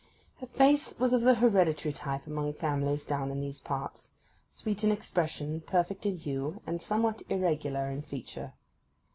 Her face was of the hereditary type among families down in these parts: sweet in expression, perfect in hue, and somewhat irregular in feature.